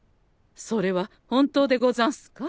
それは本当でござんすか？